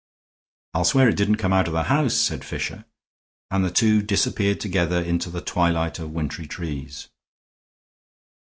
"I'll swear it didn't come out of the house," said Fisher; and the two disappeared together into the twilight of wintry trees.